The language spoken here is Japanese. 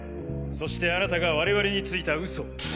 そしてあなたが我々についた嘘。